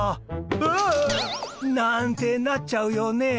「うわあ！」。なんてなっちゃうよね。